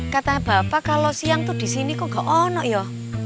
katanya bapak kalau siang tuh di sini kok nggak ada ya